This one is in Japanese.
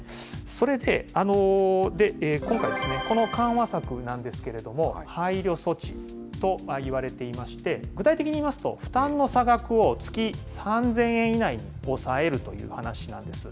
それで今回、この緩和策なんですけれども、配慮措置といわれていまして、具体的に言いますと、負担の差額を月３０００円以内に抑えるという話なんです。